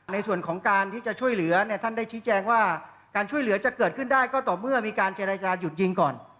ในส่วนของการที่จะช่วยเหลือเนี่ยท่านได้ชี้แจงว่าการช่วยเหลือจะเกิดขึ้นได้ก็ต่อเมื่อมีการเจรจาหยุดยิงก่อน